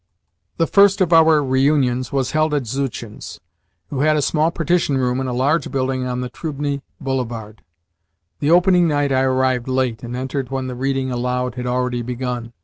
The first of our reunions was held at Zuchin's, who had a small partition room in a large building on the Trubni Boulevard. The opening night I arrived late, and entered when the reading aloud had already begun.